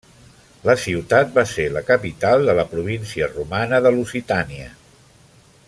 La ciutat va ser la capital de la província romana de Lusitània.